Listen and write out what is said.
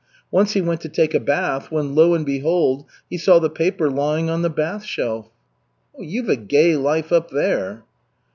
Once he went to take a bath, when lo and behold! he saw the paper lying on the bath shelf." "You've a gay life up there."